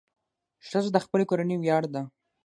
ښځه د خپلې کورنۍ ویاړ ده.